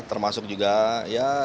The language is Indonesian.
termasuk juga ya